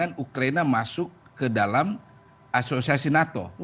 karena ukraina masuk ke dalam asosiasi nato